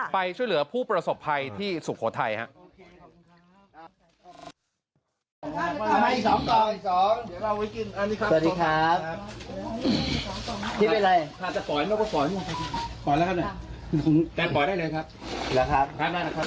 ไปช่วยเหลือผู้ประสบภัยที่สุโขทัยครับ